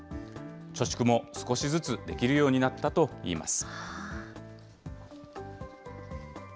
貯蓄も少しずつできるようになったといいます。